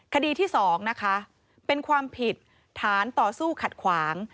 คดีที่๒นะคะเป็นความผิดฐานต่อสู้ขัดขวาง